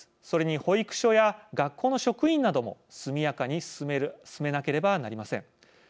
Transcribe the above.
それに保育所や学校の職員なども速やかに進めなければなりません。